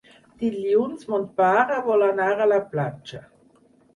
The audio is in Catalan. Dilluns mon pare vol anar a la platja.